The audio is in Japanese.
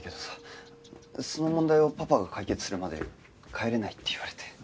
その問題をパパが解決するまで帰れないって言われて。